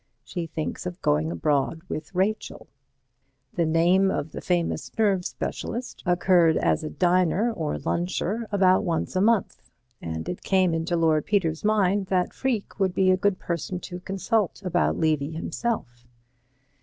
She thinks of going abroad with Rachel." The name of the famous nerve specialist occurred as a diner or luncher about once a month, and it came into Lord Peter's mind that Freke would be a good person to consult about Levy himself.